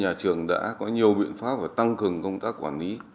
nhà trường đã có nhiều biện pháp và tăng cường công tác quản lý